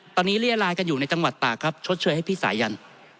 ตอนนี้เรียรายกันอยู่ในจังหวัดตากครับชดเชยให้พี่สายัน